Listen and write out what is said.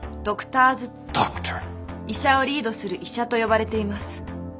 ドクター医者をリードする医者と呼ばれています。